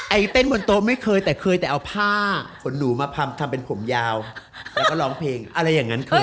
เต้นบนโต๊ะไม่เคยแต่เคยแต่เอาผ้าขนหนูมาพำทำเป็นผมยาวแล้วก็ร้องเพลงอะไรอย่างนั้นเคย